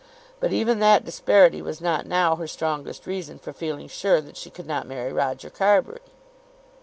But even that disparity was not now her strongest reason for feeling sure that she could not marry Roger Carbury.